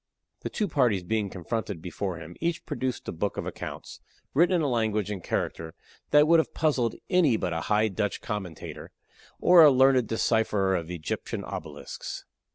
The two parties being confronted before him, each produced a book of accounts, written in a language and character that would have puzzled any but a High Dutch commentator or a learned decipherer of Egyptian obelisks.